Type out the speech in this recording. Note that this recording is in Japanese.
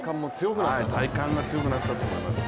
体幹が強くなったと思いますよ。